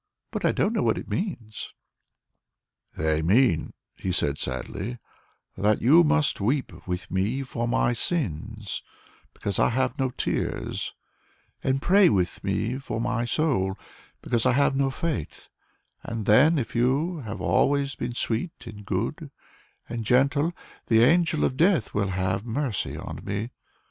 "But I don't know what they mean." "They mean," he said, sadly, "that you must weep with me for my sins, because I have no tears, and pray with me for my soul, because I have no faith, and then, if you have always been sweet, and good, and gentle, the angel of death will have mercy on me.